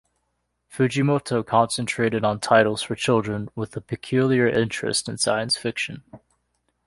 Fujimoto concentrated on titles for children, with a particular interest in science fiction.